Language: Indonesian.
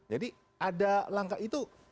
jadi ada langkah itu